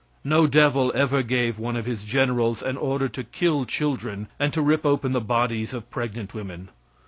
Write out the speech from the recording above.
No devil ever gave one of his generals an order to kill children and to rip open the bodies of pregnant women.